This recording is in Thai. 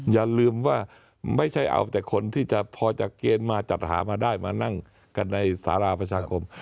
อย่าลืมว่าไม่ใช่เอาแต่คนที่จะพอจากเกณฑ์มาจัดหามาได้มานั่งกันในสาราประชาคม